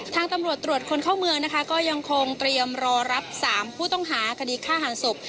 ทางตำรวจตรวจคนเข้าเมืองนะคะก็ยังคงเตรียมรอรับ๓ผู้ต้องหาคดีฆ่าหันศพ